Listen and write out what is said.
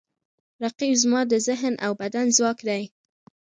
رقیب زما د ذهن او بدن ځواک دی